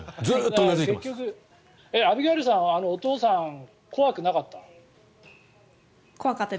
アビガイルさんはお父さん、怖くなかった？